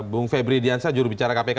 bung febri diansah jurubicara kpk